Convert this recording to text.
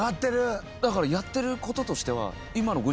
だからやってる事としては。